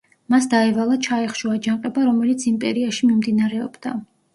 მას დაევალა ჩაეხშო აჯანყება, რომელიც იმპერიაში მიმდინარეობდა.